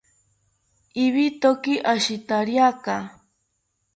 Ibitoki ashitariaka